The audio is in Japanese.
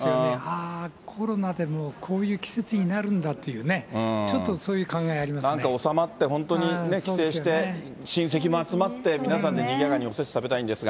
ああ、コロナでもうこういう季節になるんだっていうね、ちょっとなんか収まって、本当に帰省して、親戚も集まって、皆さんでにぎやかにおせち食べたいんですが。